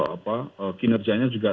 apa kinerjanya juga